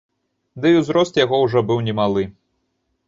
Дый узрост яго быў ужо немалы.